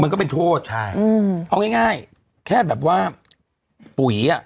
ก็เป็นโทษใช่อืมเอาง่ายง่ายแค่แบบว่าปุ๋ยอ่ะ